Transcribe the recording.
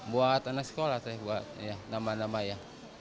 buat anak sekolah sih buat nambah nambah ya